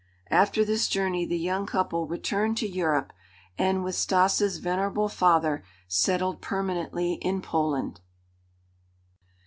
After this journey the young couple returned to Europe and, with Stas' venerable father, settled permanently in Poland.